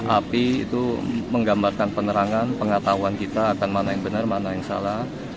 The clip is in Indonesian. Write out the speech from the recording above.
api itu menggambarkan penerangan pengetahuan kita akan mana yang benar mana yang salah